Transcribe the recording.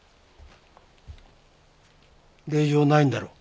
令状ないんだろ？